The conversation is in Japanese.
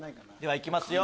いきますよ